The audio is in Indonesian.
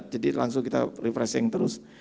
jadi langsung kita refreshing terus